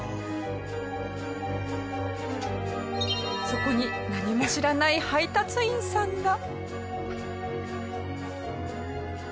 そこに何も知らない配達員さんが。